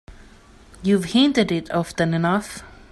You've hinted it often enough.